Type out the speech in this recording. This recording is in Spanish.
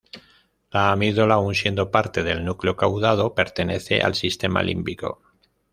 La amígdala aun siendo parte del núcleo caudado, pertenece al sistema límbico.